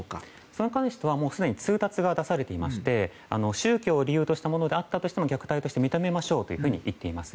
それに関してはすでに通達が出されていまして宗教を理由としたものであったとしても虐待として認めましょうといっています。